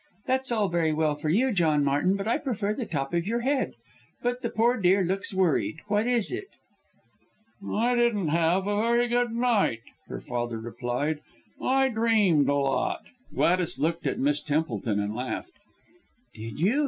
That's all very well for you, John Martin, but I prefer the top of your head. But the poor dear looks worried, what is it?" "I didn't have a very good night," her father replied, "I dreamed a lot!" Gladys looked at Miss Templeton and laughed. "Did you?"